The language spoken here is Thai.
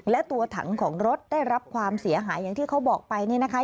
และตัวถังของรถได้รับความเสียหายอย่างที่เขาบอกไปเนี่ยนะคะ